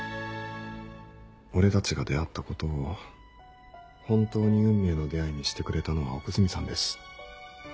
俺たちが出会ったことを本当に運命の出会いにしてくれたのは奥泉さんです。